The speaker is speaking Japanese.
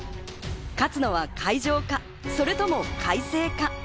勝つのは海城かそれとも開成か。